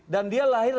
dan dia lahir